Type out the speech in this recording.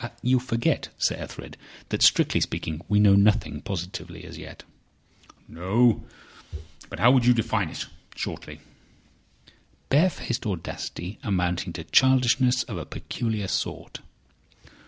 "You forget, Sir Ethelred, that strictly speaking we know nothing positively—as yet." "No! But how would you define it? Shortly?" "Barefaced audacity amounting to childishness of a peculiar sort."